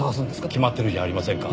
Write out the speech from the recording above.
決まってるじゃありませんか。